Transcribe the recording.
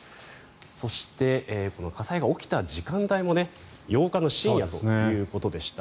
そしてこの火災が起きた時間帯も８日の深夜ということでした。